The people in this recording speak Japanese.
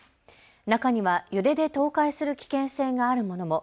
中には揺れで倒壊する危険性があるものも。